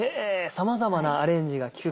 さまざまなアレンジが利く